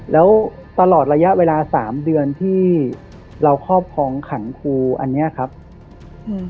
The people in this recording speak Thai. แล้วตลอดระยะเวลาสามเดือนที่เราครอบครองขังครูอันเนี้ยครับอืม